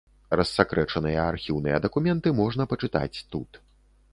Рассакрэчаныя архіўныя дакументы можна пачытаць тут.